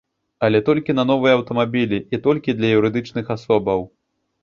Але толькі на новыя аўтамабілі і толькі для юрыдычных асобаў.